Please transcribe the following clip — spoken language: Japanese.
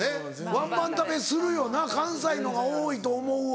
ワンバン食べするよな関西のが多いと思うわ。